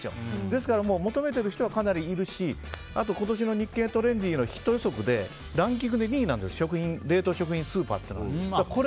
ですから求めてる人はかなりいるし今年の日経トレンディのヒット予測でランキング２位なんです冷凍食品スーパーって。